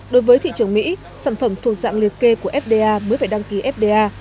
đối với thị trường mỹ sản phẩm thuộc dạng liệt kê của fda mới phải đăng ký fda